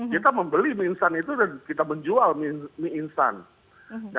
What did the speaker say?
kita membeli mie instan itu dan kita menjual mie instan